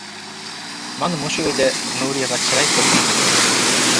مانا مۇشۇ ئۆيدە نۇرىغا چىراي كۆرسەتمەكتە.